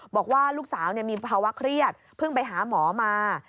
บอกว่าลูกสาวมีภาวะเครียดเพิ่งไปหาหมอมา